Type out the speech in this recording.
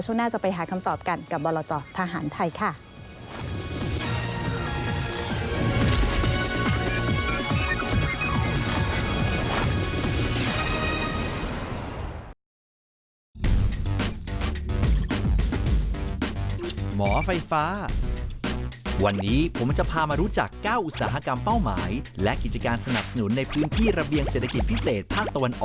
หน้าจะไปหาคำตอบกันกับบรจทหารไทยค่ะ